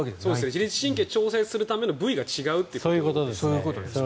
自律神経を調整するためのそういうことです。